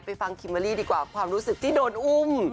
ฟังคิมเบอร์รี่ดีกว่าความรู้สึกที่โดนอุ้ม